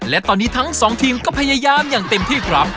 และตอนนี้ทั้งสองทีมก็พยายามอย่างเต็มที่ครับ